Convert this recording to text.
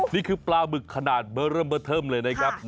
นี่คือปลาหมึกขนาดเบอร์เริ่มเบอร์เทิมเลยนะครับ